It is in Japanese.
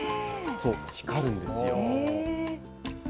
そう、光るんですよ。